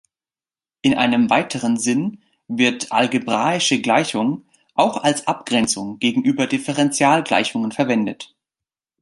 In einem weiteren Sinn wird "algebraische Gleichung" auch als Abgrenzung gegenüber Differentialgleichungen verwendet.